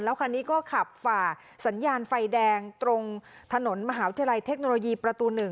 คันนี้ก็ขับฝ่าสัญญาณไฟแดงตรงถนนมหาวิทยาลัยเทคโนโลยีประตู๑